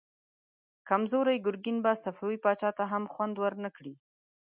کمزوری ګرګين به صفوي پاچا ته هم خوند ورنه کړي.